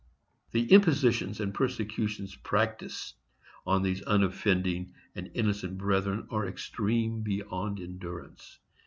The impositions and persecutions practised on those unoffending and innocent brethren are extreme beyond endurance.